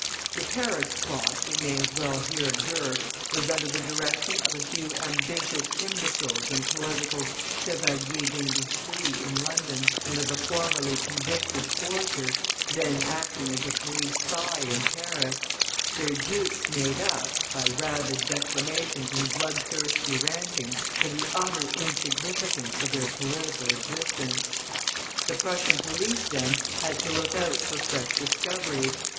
The Paris plot, we may as well here observe, was under the direction of a few ambitious imbeciles and political chevaliers d'industrie in London, and of a formerly convicted forger, then acting as a police spy in Paris; their dupes made up, by rabid declamations and blood thirsty rantings, for the utter insignificance of their political existence. The Prussian police, then, had to look out for fresh discoveries.